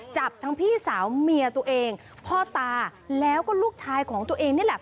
จับทั้งพี่สาวเมียตัวเองพ่อตาแล้วก็ลูกชายของตัวเองนี่แหละ